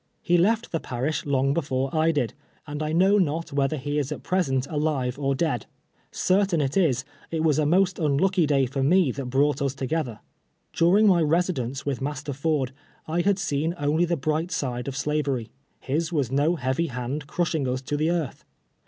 He left the parish long before I did, and I know not whether he is at present alive or dead. Certain it is, it was a most unlucky day for me that brought us together. During my residence with Master Ford I had seen only the bright side of slavery. His was no heavy hand crushing us to the earth.